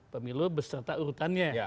pemilu beserta urutannya